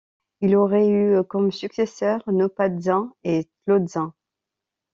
Il aurait eu comme successeurs Nopaltzin et Tlotzin.